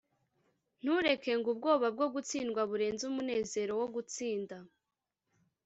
"ntureke ngo ubwoba bwo gutsindwa burenze umunezero wo gutsinda."